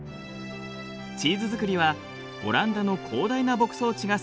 チーズ作りはオランダの広大な牧草地が支えています。